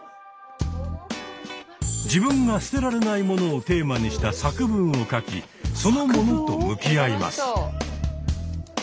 自分が捨てられない物をテーマにした作文を書きその「物」と向き合います。